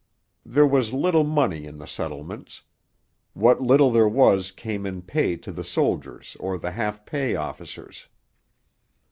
There was little money in the settlements. What little there was came in pay to the soldiers or the half pay officers.